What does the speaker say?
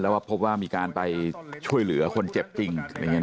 ว่าพบว่ามีการไปช่วยเหลือคนเจ็บจริง